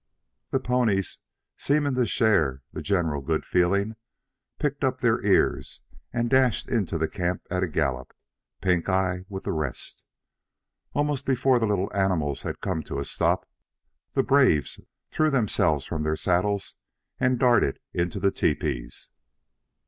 The ponies, seeming to share the general good feeling, pricked up their ears and dashed into the camp at a gallop, Pink eye with the rest. Almost before the little animals had come to a stop, the braves threw themselves from their saddles and darted into their tepees.